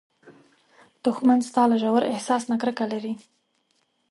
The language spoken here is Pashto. دښمن ستا له ژور احساس نه کرکه لري